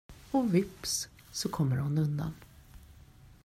Och vips så kommer hon undan!